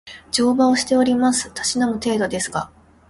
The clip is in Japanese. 乗馬をしております。たしなむ程度ですが